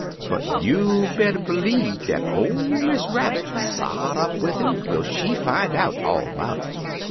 But you better b'lieve dat ol' Miss Rabbit sot up wid 'im twel she fin' out all 'bout it.